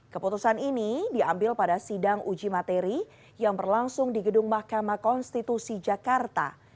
keputusan ini diambil pada sidang uji materi yang berlangsung di gedung mahkamah konstitusi jakarta